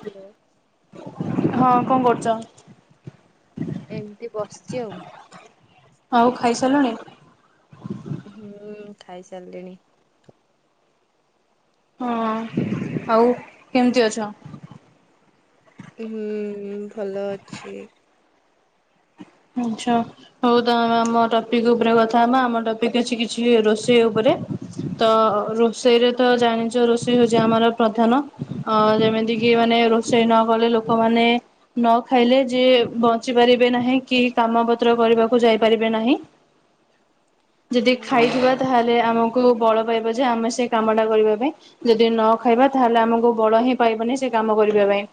Hello. ହଁ କଣ କରୁଚ? ଏମିତି ବସିଚି ଆଉ। ଆଉ ଖାଇସାରିଲୁଣି? ହୁଁ ଖାଇ ସାରିଲିଣି। ହଁ ଆଉ କେମିତି ଅଛ? ହୁଁ ଭଲ ଅଛି। ଆଚଛା। ହଉ ତମେ ଆମ ଟପିକ ଉପରେ କଥା ହବା ଆମ ଟପିକ ଅଛି କିଛି ରୋଷେଇ ଉପରେ। ତ ରୋଷେଇରେ ତ ଜାଣିଚ ରୋଷେଇ ହଉଚି ଆମର ପ୍ରଧାନ ଅ ଯେମିତି କି ମାନେ ରଷ ସେଇ ନ କଲେ ଲୋକମାନେ ନ ଖାଇଲେ ଯେ ବଞ୍ଚି ପାରିବେ ନାହିଁ। କି କାମ ପତ୍ର କରିବାକୁ ଯାଇପାରିବେ ନାହିଁ। ଯଦି ହୁଁ ଖାଇଥିବା ତାହେଲେ ଆମକୁ ବଳ ପାଇବ ଯେ ଆମେ ସେ କାମଟା କରିବା ପାଇଁ। ଯଦି ନ ଖାଇବା ତାହେଲେ ଆମକୁ ବଳ ହିଁ ପାଇବନି ସେ କାମ କରିବା ପାଇଁ।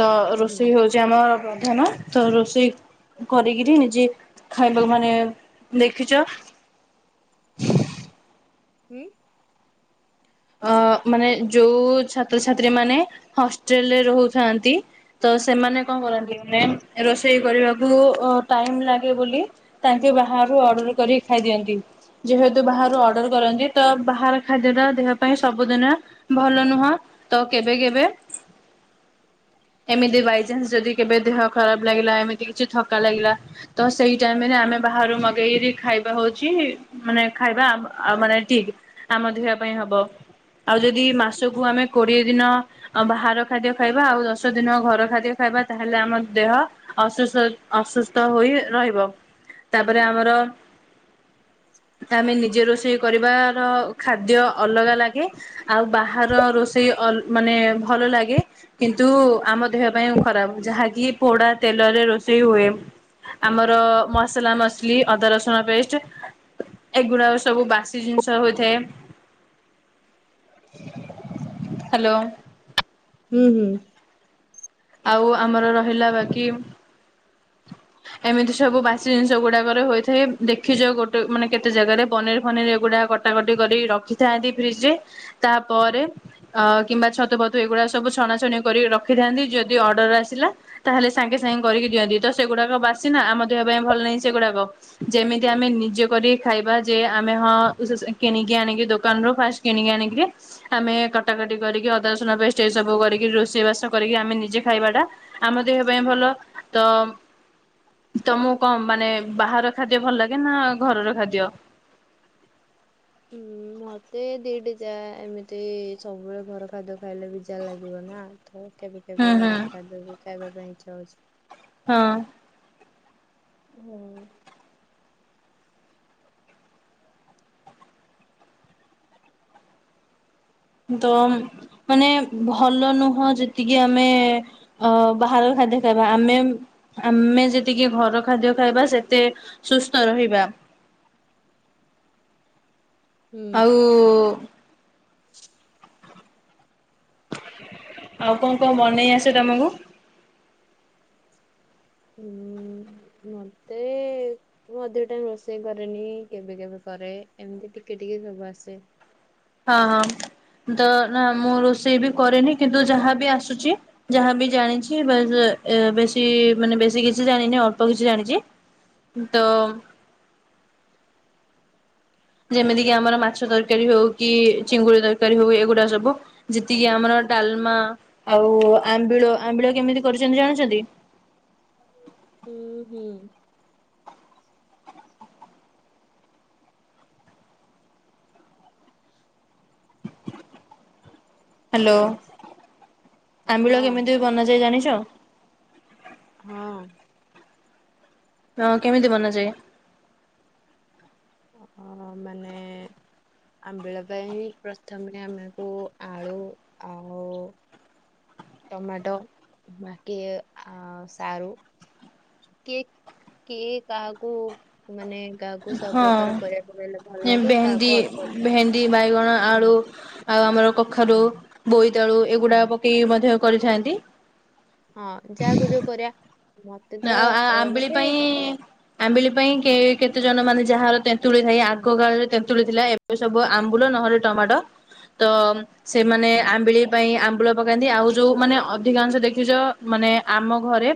ତ ହୁଁ ରୋଷେଇ ହଉଚି ଆମ ପ୍ରଧାନ। ତ ରୋଷେଇ କରିକିରି ନିଜେ ଖାଇବାକୁ ମାନେ ଦେଖିଚ। ହୁଁ? ଅ ମାନେ ଯୋଉ ଛାତ୍ରଛାତ୍ରୀ ମାନେ ହଷ୍ଟେଲ ରେ ରହୁଥାନ୍ତି ତ ସେମାନେ କଣ କରନ୍ତି ମେନ ରୋଷେଇ କରିବାକୁ ଟାଇମ ଲାଗେ ବୋଲି ତାଙ୍କ ବାହାରୁ ଅର୍ଡର କରିକି ଖାଇଦିଅନ୍ତି। ଯେହେତୁ ବାହାରୁ ଅର୍ଡର କରନ୍ତି, ତ ବାହାର ଖାଦ୍ୟ ଟା ଦେହ ପାଇଁ ସବୁଦିନ ଭଲ ନୁହଁ। ତ କେବେ କେବେ ଏମିତି ବାଇଚନ୍ସ ଯଦି କେବେ ଦେହ ଖରାପ ଲାଗିଲା, ଏମିତି କିଛି ଥକା ଲାଗିଲା ତ ସେଇ ଟାଇମ ରେ ଆମେ ବାହାରୁ ମଗେଇ ଖାଇବା ହଉଚି ମାନେ ଖାଇବା ଆମ ଆମ୍ ମାନେ ଠିକ ଆମ ଦେହ ପାଇଁ ହବ ଆଉ ଯଦି ମାସକୁ ଆମେ କୋଡିଏ ଦିନ ବାହାର ଖାଦ୍ୟ ଖାଇବା ଆଉ ଦଶ ଦିନ ଘର ଖାଦ୍ୟ ଖାଇବା ତାହେଲେ ଆମ ଦେହ ଅସୁସ୍ଥ ଅସୁସ୍ଥ ହୋଇ ରହିବ। ତାପରେ ଆମର ଆମେ ନିଜେ ରୋଷେଇ କରିବାର ଖାଦ୍ୟ ଅଲଗା ଲାଗ ଗେ ଆଉ ବାହାର ରୋଷେଇ ମାନେ ଭଲ ଲାଗେ। କିନ୍ତୁ ଆମ ଦେହ ପାଇଁ ଖରାପ, ଯାହାକି ପୋଡା ତେଲରେ ରୋଷେଇ ହୁଏ। ଆମର ମସଲା ମସଲି, ଅଦା ରସୁଣ ପେଷ୍ଟ ଏଗୁଡାକ ସବୁ ବାସି ଜିନିଷ ହୋଇଥାଏ। ହାଲୋ। ହୁଁ ହୁଁ। ଆଉ ଆମର ରହିଲା ବାକି ଏମିତି ସବୁ ବାସି ଜିନିଷ ଗୁଡାକରେ ହୋଇଥାଏ। ଦେଖିଚ ଗୋଟେ ମାନେ କେତେ ଜାଗାରେ ପନିର ଫନିର ଏଗୁଡା କଟାକଟି କରି ରଖିଥାନ୍ତି ଫ୍ରିଜ ରେ। ତାପରେ ଅ କିମ୍ବା ଛତୁ ଫତୁ ଏଇଗୁଡା ସବୁ ଛଣାଛଣି କରି ରଖିଥାନ୍ତି ଯି ଯଦି ଅର୍ଡର ଆସିଲା ତାହେଲେ ସାଙ୍ଗେ ସାଙ୍ଗେ କରିକି ଦିଅନ୍ତି। ତ ସେଗୁଡାକ ବାସି ନା ଆମ ଦେହ ପାଇଁ ଭଲ ନାହିଁ ସେଗୁଡାକ। ଯେମିତି ଆମେ ନିଜେ କରି ଖାଇବା ଯେ ଆମେ ହଁ ସ ସେ କିଣିକି ଆଣିକି ଦୋକାନରୁ ଫାଷ୍ଟ କିଣିିକି ଆଣିକିରି‌ ଆମେ କଟାକଟି କରିକି ଅଦାରସୁଣ ପେଷ୍ଟ ଏ ସବୁ କରିକି ରୋଷେଇ ବାସ କରିକି ଆମେ ନିଜେ ଖାଇବା ଟା ଆମ ଦେହ ପାଇଁ ଭଲ। ତ ତମକୁ କଣ ମାନେ ବାହାର ଖାଦ୍ୟ ଭଲ ଲାଗେ ନା ଘରର ଖାଦ୍ୟ? ହୁଁ ମୋତେ ଦିଟା ଯା ଏମିତି ସବୁବେଳେ ଘର ଖାଦ୍ୟ ଖାଇଲେ ବି [unintelligible] ଲାଗିବ ନା ତ କେବେ ହୁଁ କେବେ ହୁଁ ବାହାର ଖାଦ୍ୟ ବି ଖାଇବା ପାଇଁ ଇଛା ହଉଛି। ହଁ ହୁଁ ତ ମାନେ ଭଲ ନୁହଁ ଯେତିକି ଆମେ ଅ ବାହାରର ଖାଦ୍ୟ ଖାଇବା। ଆମେ ଆମେ ଯେତିକି ଘର ଖାଦ୍ୟ ଖାଇବା ସେତେ ସୁସ୍ଥ ରହିବା। ହୁଁ ଆଉ ଆଉ କଣ କଣ ବନେଇ ଆସେ ତମକୁ? ଉଁ ଉଁ ମତେ ମେ ମୁଁ ଅଧିକ ଟାଇମ ରୋଷେଇ କରେନି କେବେ କେବେ କରେ ଏମିତି ଟିକେ ଟିକେ ସବୁ ଆସେ। ହଁ ହଁ ଦ ନା ମୁଁ ରୋଷେଇ ବି କରେନି କିନ୍ତୁ ଯାହାବି ଆସୁଛି। ଯାହାବି ଜାଣିଛି ବାଶ୍ ବେଶୀ ମାନେ ବେଶୀ କିଛି ଜାଣିିନି ଅଳ୍ପ କିଛି ଜାଣିଛି। ତ ଯେମିତି କିି ଆମର ମାଛ ତରକାରୀ ହଉ କି ଚିଙ୍ଗୁଡି ତରକାରୀ ହଉ ଏଗୁଡା ସବୁ। ଯେତିକି ଆମର ଡାଲମା ଆଉ ଆମ୍ବିଳ ଆମ୍ବିଳ କେମିତି କରିଛନ୍ତି ଜାଣିଛନ୍ତି? ହୁଁ ହୁଁ ହ୍ୟାଲୋ ଆମ୍ବିଳ ହଁ କେମିତି ବନାଯାଏ ଜାଣିଛ? ହଁ ହଁ କେମିତି ବନାଯାଏ। ଅ ମାନେ ଆମ୍ବିଳ ପାଇଁ ପ୍ରଥମେ ଆମକୁ ଆଳୁ ଆଉ ଟମାଟୋ ବାକି ଆ ସାରୁ। କିଏ କିଏ କାହାକୁ ମାନେ କାହାକୁ ସବୁ ପ୍ରକାର ହଁ ପରିବା ପକେଇଲେ ଭଲ ଲାଗେ ଭେଣ୍ଡି କାହାକୁ ଅଳ୍ପ ଅଳ୍ପ ଭେଣ୍ଡି ବାଇଗଣ ହୁଁ। ଆଳୁ ଆଉ ଆମର କଖାରୁ, ହୁଁ ବୋଇତାଳୁ ଏଗୁଡା ହୁଁ ପକେଇ ମଧ୍ୟ କରିଥାନ୍ତି। ହଁ ଯାହାକୁ ଯୋଉ ପରିବା ମତେ ତ ଆଉ ଅ ଆମ୍ବିଳି ମତେ ପାଇଁ ଆମ୍ବିଳି ପାଇଁ କେ କେତେ ଜଣ ମାନେ ଯାହାର ତେନ୍ତୁଳି ଥାଏ ଆଗ କାଳରେ ତେନ୍ତୁଳି ଥିଲା ଏ ଏ ସବୁ ଆମ୍ବୁଲ ନହେଲେ ଟମାଟୋ ତ ସେମାନେ ହୁଁ, ଆମ୍ବିଳି ପାଇଁ ଆମ୍ବୁଲ ପକାନ୍ତି ଆଉ ଯୋଉ ମାନେ ଅଧିକାଂଶ ଦେଖିଛ ମାନେ ଆମ ଘରେ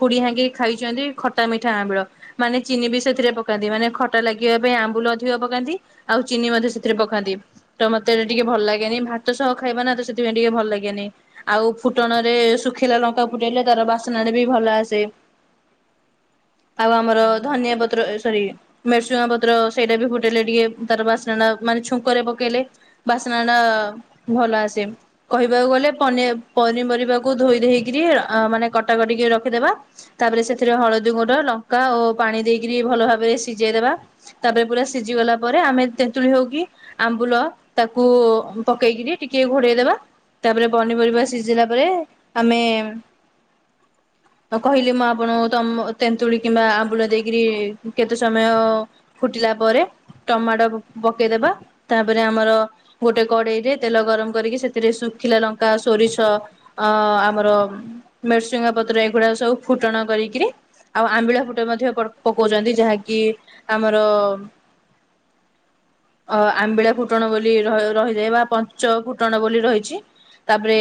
ଖୁଡ଼ି ହାଙ୍କି ଖାଇଛନ୍ତି ଖଟା ମିଠା ଆମ୍ବିଳ। ମାନେ ଚିନି ବି ସେଥିରେ ପକାନ୍ତି ମାନେ ଖଟା ଲାଗିବା ପାଇଁ ଆମ୍ବୁଲ ଅଧିକ ପକାନ୍ତି। ଆଉ ଚିନି ମଧ୍ୟ ସେଥିରେ ପକାନ୍ତି। ତ ମୋତେ ଏ ଟିକେ ଭଲ ଲାଗେନି ଭାତ ସହ ଖାଇବା ନା ତ ସେଥିପାଇଁ ଟିକେ ଭଲ ଲାଗେନି। ଆଉ ଫୁଟଣରେ ଶୁଖିଲା ଲଙ୍କା ଫୁଟେଇଲେ ତାର ବାସନାଟା ବି ଭଲ ଆସେ। [unintelligible] ଆଉ ଆମର ହୁଁ। ଧନିଆ ପ ତ୍ର ସରି ଭେରସୁଙ୍ଗା ପତ୍ର ସେଇଟା ବି ଫୁଟେଇଲେ ଟିକେ ତାର ବାସ୍ନା ଟା ମାନେ ଛୁଙ୍କରେ ପକେଇଲେ ବାସ୍ନା ଟା ଭଲ ଆସେ। କହିବାକୁ ଗଲେ ପନି ପନିପରିବାକୁ ଧୋଇ ଦେଇକିରି ମାନେ କଟାକଟିକିରି ରଖିଦେବା। ତାପରେ ସେଥିରେ ହଳଦୀ ଗୁଣ୍ଡ, ଲଙ୍କା ଓ ପାଣି ଦେଇକରି ଭଲ ଭାବରେ ସିଝେଇଦବା। ତାପରେ ପୁରା ସିଝି ଗଲା ପରେ ଆମେ ତେନ୍ତୁଳି ହଉକି ଆମ୍ବୁଲ ତାକୁ ପକେଇକିରି ଟିକେ ଘୋଡେଇଦେବା ତାପରେ ପନିପରିବା ସିଝିଲା ପରେ ଆମେ କହିଲି ମୁଁ ଆପଣଙ୍କୁ ତମ ତେନ୍ତୁଳି କିମ୍ବା ଆମ୍ବୁଳ ଦେଇକିରି କେତେ ସମୟ ଫୁଟିଲା ପରେ ଟମାଟୋ ପକେଇଦବା। ତାପରେ ଆମର ଗୋଟେ କଡେଇ ରେ ତେଲ ଗରମ କରିକି ସେଥିରେ ଶୁଖିଲା ଲଙ୍କା, ସୋରିଷ ଅ ଆମର ମେରସୁଙ୍ଗା ପତ୍ର ଏଗୁଡା ସବୁ ଫୁଟଣ କରିକିରି ଆଉ ଆମ୍ବିଳା ଫୁଟେ ମଧ୍ୟ ପକଉଛନ୍ତି ଯାହାକି ଆମର। ଅ ଆମ୍ବିଳା ଫୁଟଣ ବୋଲି ରହି ରହିଯାଏ ବା ପଞ୍ଚ ଫୁଟଣ ବୋଲି ରହିଛି। ତାପରେ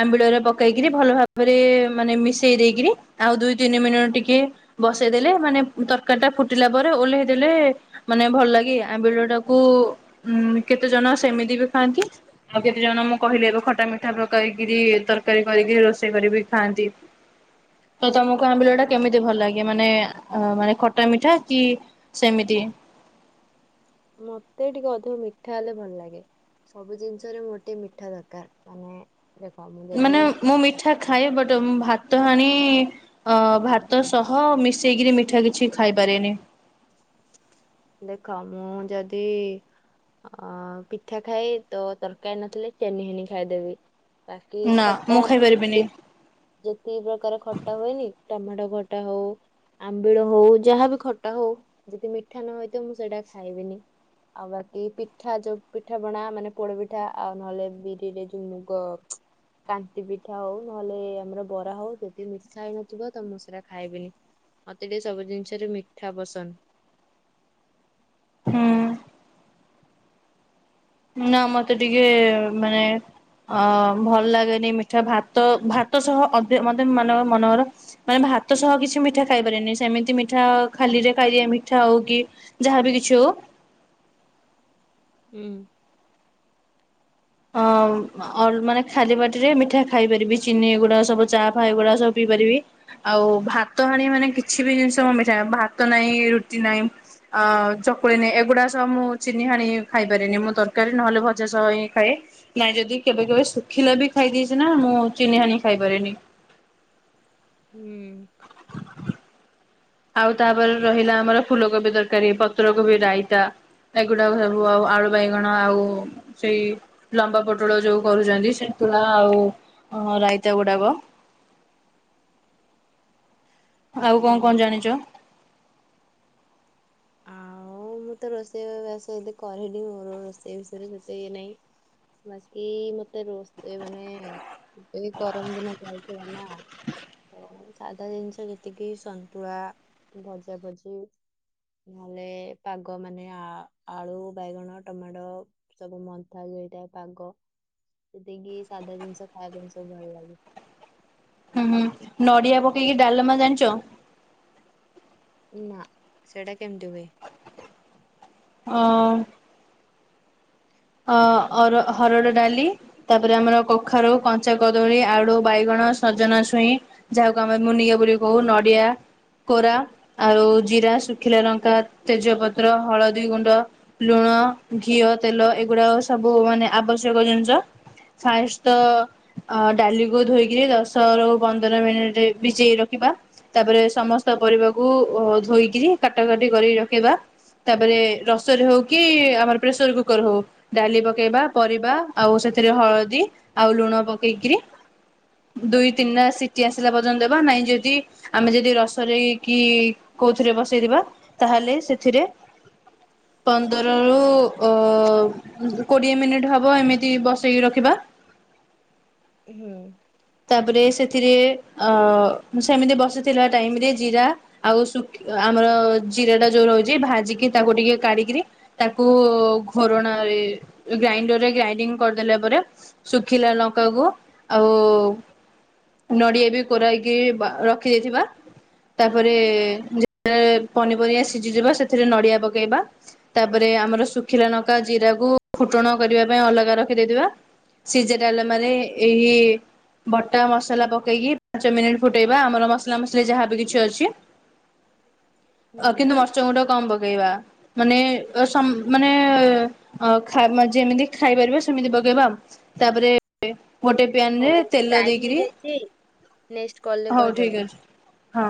ଆମ୍ବିଳରେ ପକେଇକିରି ଭଲ ଭାବରେ। ମାନେ ମିଶେଇ ଦେଇକରି ଆଉ ଦୁଇ ତିନି ମିନିଟ ଟିକେ। ବସେଇଦେଲେ ମାନେ ତରକାରୀ ଟା ଫୁଟିଲା ପରେ ଓହ୍ଲେଇଦେଲେ। ମାନେ ଭଲ ଲାଗେ ଆମ୍ବିଳ ଟାକୁ କେତେ ଜନ ସେମିତି ବି ଖାଆନ୍ତି। ଆଉ କେତେ ଜଣ ମୁଁ କହିଲି ଏବେ ଖଟା ମିଠା ପକେଇକିରି ତରକାରୀ କରିକି ରୋଷେଇ କରିବି। ଖାଆନ୍ତି ତ ତମକୁ ଆମ୍ବିଳ ଟା କେମିତି। ଭଲ ଲାଗେ ମାନେ ଅ ମାନେ ଖଟା ମିଠା କି ସେମିତି। ମତେ ଟିକେ ଅଧିକ ମିଠା ହେଲେ ଭଲ ଲାଗେ। ସବୁ ଜିନିଷରେ ମୋର ଟିକେ ମିଠା ଦରକାର ମାନେ। ଦେଖ ମୁଁ ଯଦି ମାନେ ମୁଁ ମିଠା ଖାଏ ବଟ ମୁ ଭାତ ହାଣି। ଅ ଭାତ ସହ ମିଶେଇ କିରି ମିଠା କିଛି ଖାଇପାରେନି। ଦେଖ ମୁଁ ଯଦି। ଅ ପିଠା ଖାଇ ତ ତରକାରୀ ନଥିଲେ ଚେନି ହେନି ଖାଇଦେବି। ବାକି ନା ଖଟା ମୁଁ ଆମର ଖାଇପାରିବିନି ଯେତେ ଯେତିକି ପ୍ରକାର ଖଟା ହୁଏନି ଟମାଟୋ ଖଟା ହଉ। ଆମ୍ବିଳ ହଉ ଯାହାବି ଖଟା ହଉ ଯଦି ମିଠା ନ ହୋଇଥିବ ତ ମୁଁ ସେଇଟା ଖାଇବିନି। ଆଉ ବାକି ପିଠା ଯୋଉ ପିଠା ପଣା ମାନେ ପୋଡପିଠା ଆଉ ନହେଲେ ବିରିରେ ଯୋଉ ମୁଗ। କାନ୍ତି ପିଠା ହଉ ନହେଲେ ଆମର ବରା ହଉ ଯଦି ମିଠା ହେଇନଥିବ ତ ମୁଁ ସେରା ଖାଇବିନି। ମତେ ଟିକେ ସବୁ ଜିନିଷରେ ମିଠା ପସନ୍ଦ। ହୁଁ [unintelligible] ନା ମତେ ଟିକେ ମାନେ। ଅ ଭଲ ଲାଗେନି ମିଠା ଭାତ ଭାତ ସହ ଅଧେ ମତେ ମାନେ ମନକର। ମାନେ ଭାତ ସହ କିଛି ମିଠା ଖାଇପାରେନି ସେମିତି ମିଠା ଖାଲିରେ ଖାଇଦିଏ ମିଠା ହଉ କି। ଯାହାବି କିଛି ହଉ। ହୁଁ। ଅ ଅର ମାନେ ଖାଲି ପାଟିରେ ମିଠା ଖାଇପାରିବି ଚିନି ଏଗୁଡା ସବୁ ଚା ଫା ଏଗୁଡାକ ସବୁ ପିଇ ପାରିବି। ଆଉ ଭାତ ହାଣି ମାନେ କିଛି ବି ଜିନିଷ ମୁଁ ମିଠା ଭାତ ନାହିଁ ରୁଟି ନାହିଁ। ଆ ଚକୁଳି ନାଇ ଏଗୁଡ଼ା ସବୁ ମୁଁ ଚିନି ହାଣି ଖାଇପାରେନି ମୁଁ ତରକାରୀ ନହେଲେ ଭଜା ସହ ହିଁ ଖାଏ ନାଇଁ ଯଦି କେବେ କେବେ ଶୁଖିଲା ବି ଖାଇଦେଇଛି ନା ମୁଁ ଚିନି ହାଣି ଖାଇପାରେନି। ହୁଁ। ଆଉ ତାପରେ ରହିଲା ଆମର ଫୁଲକୋବି ତରକାରୀ ପତ୍ରକୋବି ରାଇତା। ଏଗୁଡାକ ସବୁ ଆଉ ଆଳୁ ବାଇଗଣ ଆଉ। ସେଇ ଲମ୍ବା ପୋଟଳ ଯୋଉ କରୁଛନ୍ତି ସେନ୍ତୁଳା ଆଉ ଅ ରାଇତା ଗୁଡାକ। ଆଉ କଣ ହୁଁ କଣ ଜାଣିଛ? ଆଉ ମୁଁ ତ ରୋଷେଇ ବାସ ଏତେ କରେନି ମୋର ରୋଷେଇ ବିଷୟରେ ସେତେ ଇଏ ନାହିଁ। ବାକି ମୋତେ ରୋଷେଇ ମାନେ। ଏବେ ବି ଗରମ ଦିନ ଚାଲିଥିଲା ନା। ତ ସାଧା ଜିନିଷ ଯେତିକି ସନ୍ତୁଳା ଭଜା ଭଜି। ନହେଲେ ପାଗ ମାନେ ଆ ଆଳୁ ବାଇଗଣ ଟମାଟୋ। ସବୁ ମନ୍ଥା ଯଉ ହେଇଥାଏ ପାଗ ସେତିକି ସାଧା ଜିନିଷ ଖାଇବା ପାଇଁ ସବୁ ଭଲ ଲାଗେ। ହୁଁ ହୁଁ ନଡିଆ ପକେଇକି ଡାଲମା ଜାଣିଛ? ନା ସେଇଟା କେମିତି ହୁଏ? ହଁ। ଅ ଅର ହରଡ଼ ଡାଲି। ତାପରେ ଆମର କଖାରୁ କଞ୍ଚା କଦଳୀ ଆଳୁ ବାଇଗଣ ସଜନା ଛୁଇଁ। ଯାହାକୁ ଆମେ ମୁନିଗା ବୋଲି କହୁ ନଡିଆ କୋରା। ଆଉ ଜିରା ଶୁଖିଲା ଲଙ୍କା ତେଜପତ୍ର ହଳଦୀ ଗୁଣ୍ଡ। ଲୁଣ ଘିଅ ତେଲ ଏଗୁଡାକ ସବୁ ମାନେ ଆବଶ୍ୟକ ଜିନିଷ। ଫାର୍ଷ୍ଟ ତ ଆ ଡାଲିକୁ ଧୋଇକିରି ଦଶ ରୁ ପନ୍ଦର ମିନିଟ ଭିଜେଇ ରଖିବା। ତାପରେ ସମସ୍ତ ପରିବାକୁ ଉ ଧୋଇକିରି କାଟା କଟି କରି ରଖିବା। ତାପରେ ରସରେ ହଉ କି ଆମର ପ୍ରେସର କୁକର ହଉ। ଡାଲି ପକେଇବା ପରିବା ଆଉ ସେଥିରେ ହଳଦୀ ଆଉ ଲୁଣ ପକେଇକିରି ଦୁଇ ତିନିଟା ସିଟି ଆସିଲା ପର୍ଯ୍ୟନ୍ତ ଦେବା ନାଇଁ ଯଦି ଆମେ ଯଦି ରସରେ କି କୋଉଥିରେ ବସେଇଦେବା ତାହେଲେ ସେଥିରେ ପନ୍ଦରରୁ ଓ କୋଡିଏ ମିନିଟ୍ ହବ ଏମିତି ବସେଇକି ରଖିବା। ହୁଁ। ତାପରେ ସେଥିରେ ଅ ସେମିତି ବସିଥିଲା ଟାଇମରେ ଜିରା ଆଉ ଶୁଖ ଆମର ଜିରା ଟା ଯୋଉ ରହୁଛି ଭାଜିକି ତାକୁ ଟିକେ କାଢିକିରି ତାକୁ ଘୋରଣାରେ ଗ୍ରାଇଣ୍ଡର ରେ ଗ୍ରାଇଣ୍ଡିଙ୍ଗ କରିଦେଲା ପରେ। ଶୁଖିଲା ଲଙ୍କା କୁ ଆଉ ନଡିଆ ବି କୋରାହେଇକି ବା ରଖି ଦେଇଥିବା। ତାପରେ ଯେ ପନିପରିବା ସିଝିଯିବ ସେଥିରେ ନଡିଆ ପକେଇବା। ତାପରେ ଆମର ଶୁଖିଲା ନକା ଜିରାକୁ ଫୁଟଣ କରିବା ପାଇଁ ଅଲଗା ରଖିଦେଇଥିବା। ସିଝା ଡାଲମା ରେ ଏହି ବଟା ମସଲା ପକେଇକି ପାଞ୍ଚ ମିନିଟ ଫୁଟେଇବା ଆମର ମସଲା ମସଲି ଯାହାବି କିଛି ଅଛି। ଅ ହୁଁ କିନ୍ତୁ ମରିଚ ଗୁଣ୍ଡ କମ ପକେଇବା। ମାନେ ସମ୍ ମାନେ ଅ ଖା ଯେମିତି ଖାଇପାରିବା ସେମିତି ପକେଇବା। ତାପରେ ଗୋଟେ ହଉ ପ୍ୟାନରେ ଟାଇମ ହେଇଯାଇଛି ନେକ୍ସଟ କଲରେ ହଉ ଠିକ କହିଦବ। ଅଛି ହଁ।